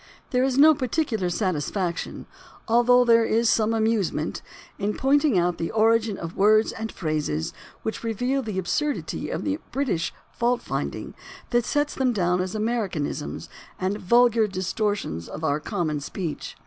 There is no particular satisfaction, although there is some amusement, in pointing out the origin of words and phrases which reveal the absurdity of the British fault finding that sets them down as Americanisms and as vulgar distortions of our common speech.